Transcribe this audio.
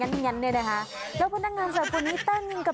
โอ้ฮ่าสนุกสนานทั้งคนเสิร์ฟทั้งลูกค้า